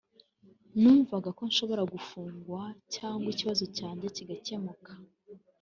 numvaga ko nshobora gufungwa cyangwa ikibazo cyanjye kigakemuka